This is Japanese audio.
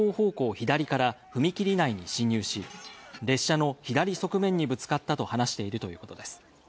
左から踏切内に進入し、列車の左側面にぶつかったと話しているということです。